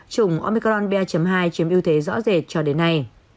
chủng omicron ba hai chiếm ưu thế rõ rệt cho đến nay